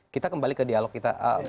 kita kembali ke dialog kita